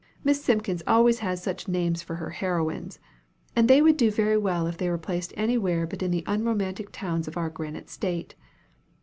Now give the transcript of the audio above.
Miss Simpkins always has such names to her heroines; and they would do very well if they were placed anywhere but in the unromantic towns of our granite State.